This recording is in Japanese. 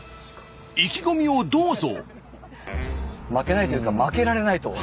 意気込みをどうぞ。